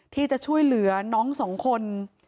ที่จะช่วยเหลือน้องสองคน